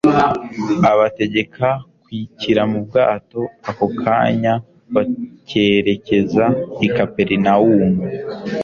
abategeka kwikira mu bwato ako kanya bakerekeza i Kaperinaumu,